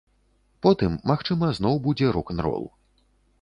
Потым, магчыма, зноў будзе рок-н-рол.